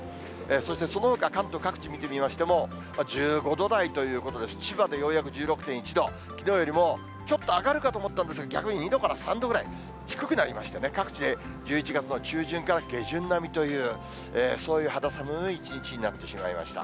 そして、そのほか、関東各地見てみましても、１５度台ということで、千葉でようやく１６．１度、きのうよりもちょっと上がるかと思ったんですけど、逆に２度から３度ぐらい低くなりましてね、各地で１１月の中旬から下旬並みという、そういう肌寒い一日になってしまいました。